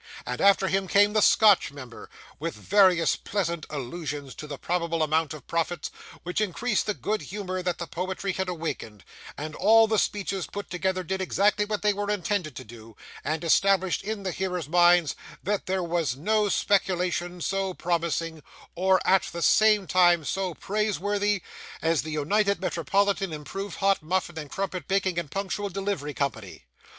And, after him, came the Scotch member, with various pleasant allusions to the probable amount of profits, which increased the good humour that the poetry had awakened; and all the speeches put together did exactly what they were intended to do, and established in the hearers' minds that there was no speculation so promising, or at the same time so praiseworthy, as the United Metropolitan Improved Hot Muffin and Crumpet Baking and Punctual Delivery Company.